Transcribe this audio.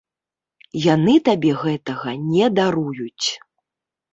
Яны табе гэтага не даруюць.